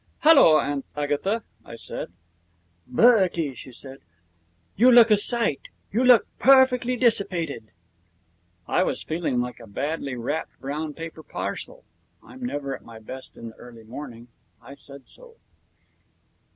'Halloa, Aunt Agatha!' I said 'Bertie,' she said, 'you look a sight. You look perfectly dissipated.' I was feeling like a badly wrapped brown paper parcel. I'm never at my best in the early morning. I said so.